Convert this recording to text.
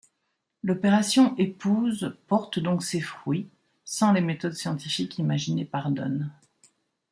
L'Opération Épouse porte donc ses fruits sans les méthodes scientifiques imaginées par Don.